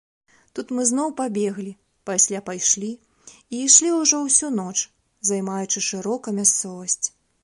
Тут мы зноў пабеглі, пасля пайшлі і ішлі ўжо ўсю ноч, займаючы шырока мясцовасць.